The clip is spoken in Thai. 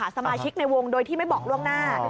สมาชิกในวงโดยที่ไม่บอกล่วงหน้า